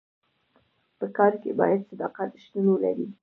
په کار کي باید صداقت شتون ولري.